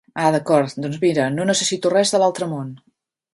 Ah d'acord, doncs mira, no necessito res de l'altre món.